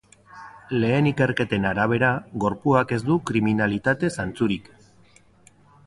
Lehen ikerketen arabera, gorpuak ez du kriminalitate zantzurik.